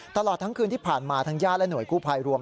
ตลอดทั้งคืนที่ผ่านมาทั้งญาติและห่วยกู้ภัยรวม